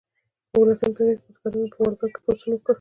په اوولسمه پیړۍ کې بزګرانو په والګا کې پاڅون وکړ.